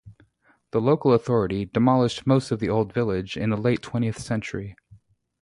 The local authority demolished most of the old village in the late twentieth century.